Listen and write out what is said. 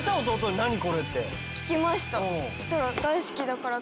聞きました。